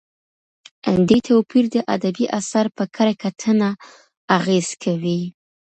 دې توپیر د ادبي اثر په کره کتنه اغېز کوي.